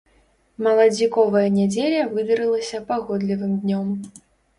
Маладзіковая нядзеля выдарылася пагодлівым днём.